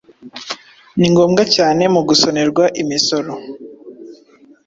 ni ngombwa cyane mugusonerwa imisoro